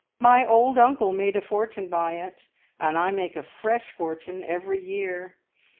My old uncle made a fortune by it, and I make a fresh fortune every year.